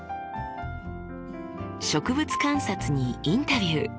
植物観察にインタビュー。